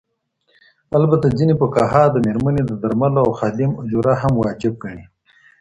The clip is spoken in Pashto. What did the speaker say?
البته ځيني فقهاء د ميرمني د درملو او خادم اجوره هم واجب ګڼي.